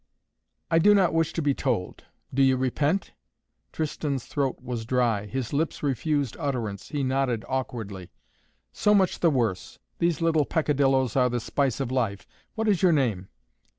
"I do not wish to be told. Do you repent?" Tristan's throat was dry. His lips refused utterance. He nodded awkwardly. "So much the worse! These little peccadillos are the spice of life! What is your name?"